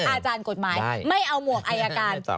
อาจารย์กฎหมายไม่เอาหมวกอายการ